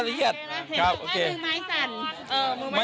เลือดออกอะไร